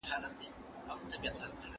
د کیفیتي تولیداتو تولید مهم دی.